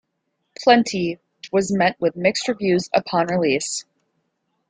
"Plenty" was met with mixed reviews upon release.